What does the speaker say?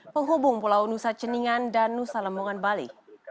penghubung pulau nusa ceningan dan nusa lembongan bali